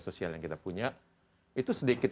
sosial yang kita punya itu sedikit